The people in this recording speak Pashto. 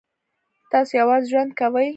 تاسو یوازې ژوند کوئ؟